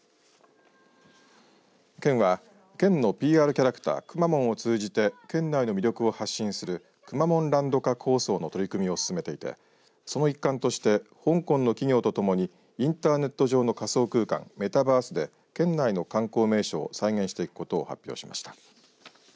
県は県のＰＲキャラクターくまモンを通じて県内の魅力を発信するくまモンランド化構想の取り組みを進めていてその一環として香港の企業と共にインターネット上の仮想空間メタバースで県内の観光名所を再現していくことを発表しました。